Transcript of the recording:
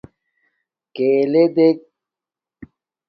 کݵلݺ دݵک.